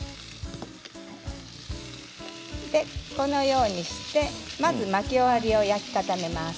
このようにしてまず巻き終わりを焼き固めます。